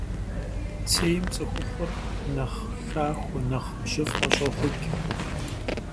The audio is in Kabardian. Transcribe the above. Цейм цӏыхухъур нэхъ хахуэ, нэхъ бжьыфӏэ щӏохъукӏ.